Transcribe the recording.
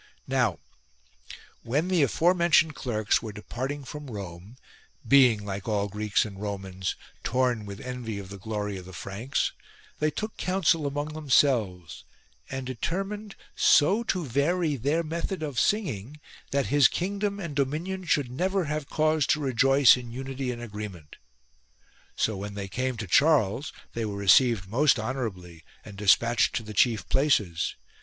Now when the aforementioned clerks were depart ing from Rome, being, like all Greeks and Romans, torn with envy of the glory of the Franks, they took counsel among themselves, and determined so to vary their method of singing that his kingdom and dominion should never have cause to rejoice in unity and agreement. So when they came to Charles they were received most honourably and despatched to the chief places.